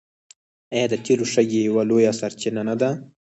آیا د تیلو شګې یوه لویه سرچینه نه ده؟